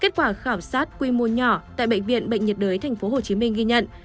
kết quả khảo sát quy mô nhỏ tại bệnh viện bệnh nhiệt đới tp hcm ghi nhận